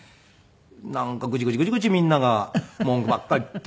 なんかグチグチグチグチみんなが文句ばっかり言って。